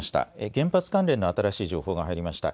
原発関連の新しい情報が入りました。